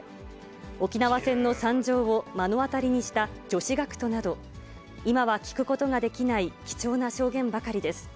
沖縄戦の惨状を目の当たりにした女子学徒など、今は聞くことができない貴重な証言ばかりです。